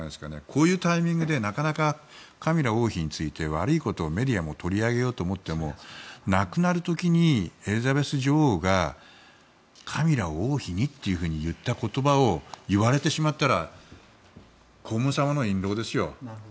こういうタイミングでなかなかカミラ王妃について悪いことをメディアも取り上げようと思っても亡くなる時にエリザベス女王がカミラを王妃にって言った言葉を言われてしまったら黄門様の印ろうですよ。